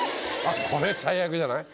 これ最悪じゃない？